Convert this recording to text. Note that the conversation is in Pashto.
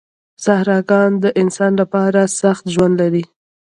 صحراګان د انسان لپاره سخت ژوند لري.